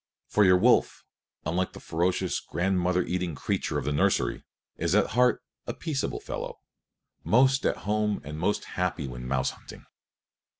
For your wolf, unlike the ferocious, grandmother eating creature of the nursery, is at heart a peaceable fellow, most at home and most happy when mouse hunting.